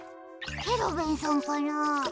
ケロベンさんかなあ？